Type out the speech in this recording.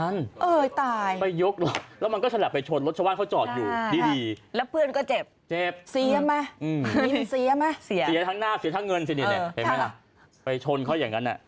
เสียทั้งหน้าเสียทั้งเงินเสียไหมไปชนเขาอย่างนั้น